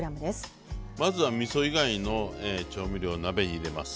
まずはみそ以外の調味料を鍋に入れます。